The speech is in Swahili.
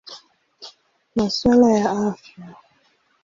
Masuala ya Afya.